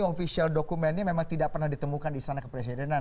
official dokumennya memang tidak pernah ditemukan di istana kepresidenan